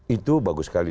itu bagus sekali